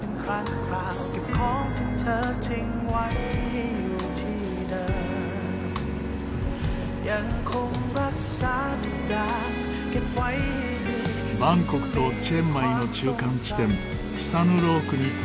バンコクとチェンマイの中間地点ピサヌロークに到着です。